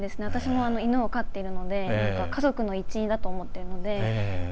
私も犬を飼っているので家族の一員だと思っているので。